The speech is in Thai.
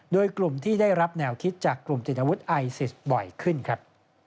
โดยกลุ่มที่ได้รับแนวคิดจากกลุ่มติดอาวุธไอซิสบ่อยขึ้นครับ